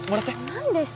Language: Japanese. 何ですか！